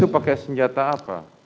itu pakai senjata apa